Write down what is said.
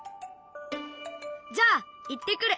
じゃあ行ってくる！